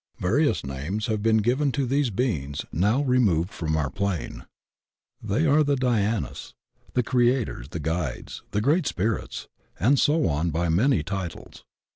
Various names have been given to these beings now removed from our plane. They are the DhyarUs, the Creators, the Guides, the Great Spirits, and so on by many titles.